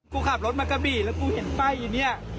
กูขับรถมากะบี่แล้วกูเห็นป้ายอีเนี่ย